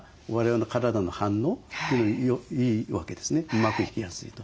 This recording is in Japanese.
うまくいきやすいと。